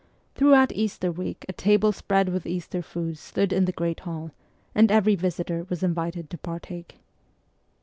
Throughout Easter week a table spread w T ith Easter food stood in the great hall, and every visitor was invited to partake.